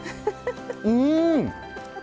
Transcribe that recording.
うん！